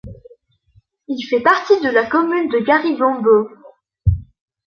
Il fait partie de la commune de Gari-Gombo.